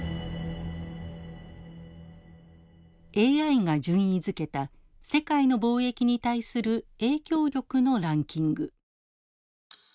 ＡＩが順位づけた世界の貿易に対する影響力のランキング。